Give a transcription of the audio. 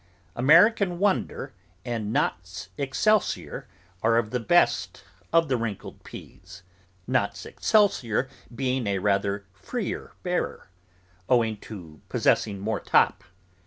American Wonder and Nott's Excelsior are of the best of the wrinkled peas, Nott's Excelsior being a rather freer bearer, owing to possessing more top.